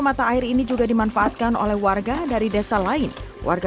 mata air ini juga dimanfaatkan oleh warga dari desa lain warga